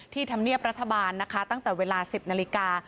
ธรรมเนียบรัฐบาลนะคะตั้งแต่เวลา๑๐นาฬิกา